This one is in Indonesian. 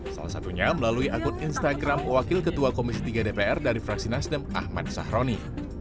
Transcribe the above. salah satunya melalui akun instagram wakil ketua komisi tiga dpr dari fraksi nasdem ahmad sahroni